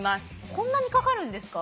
こんなにかかるんですか。